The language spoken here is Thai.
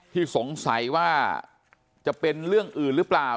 ที่สงสัยว่าจะเป็นเรื่องอื่นหรือเปล่า